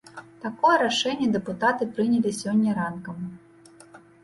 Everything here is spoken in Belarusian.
Такое рашэнне дэпутаты прынялі сёння ранкам.